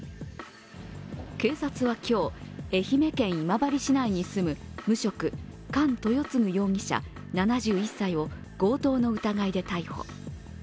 警察は今日、愛媛県今治市内に住む無職、菅豊次容疑者７１歳を強盗の疑いで逮捕。